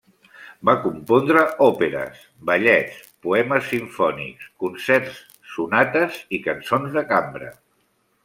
Va compondre òperes, ballets, poemes simfònics, concerts, sonates i cançons de cambra.